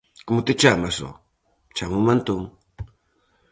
-Como te chamas, ho? -Chámome Antón.